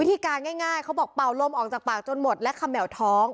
วิธีการง่ายเขาบอกเปาลมออกจากปากจนหมดและคำแหมวท้อง